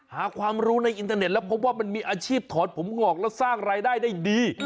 หาความรู้ในอินเทอร์เน็ตแล้วพบว่ามันมีอาชีพถอนผมงอกแล้วสร้างรายได้ได้ดี